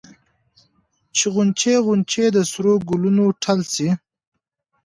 چې غونچې غونچې د سرو ګلونو ټل شي